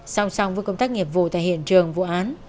song song với công tác nghiệp vụ tại hiện trường vụ án